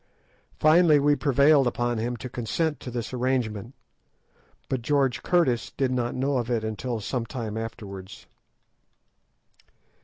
Finally, we prevailed upon him to consent to this arrangement, but George Curtis did not know of it until some time afterwards.